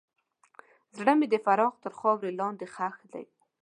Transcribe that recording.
زړه مې د فراق تر خاورو لاندې ښخ شو.